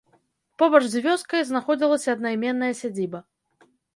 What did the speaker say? Побач з вёскай знаходзілася аднайменная сядзіба.